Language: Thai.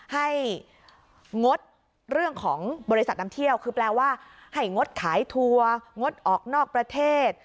งดเรื่องของบริษัทนำเที่ยวคือแปลว่าให้งดขายทัวร์งดออกนอกประเทศ